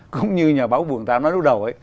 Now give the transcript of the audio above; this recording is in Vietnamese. cũng như nhà báo buồn ta nói lúc đầu ấy